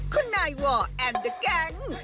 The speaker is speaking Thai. คุณนายว่าแอนด์เดอร์แก๊ง